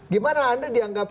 gimana anda dianggap